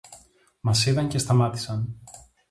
Μας είδαν και σταμάτησαν